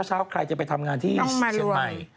เช้าใครจะไปทำงานที่เชียงใหม่